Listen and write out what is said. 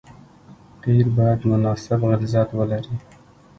قیر باید مناسب غلظت ولري